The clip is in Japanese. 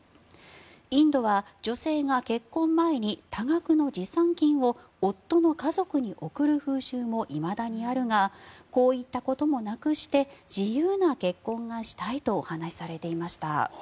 インドは女性が結婚前に多額の持参金を夫の家族に贈る風習もいまだにあるがこういったこともなくして自由な結婚がしたいとお話しされていました。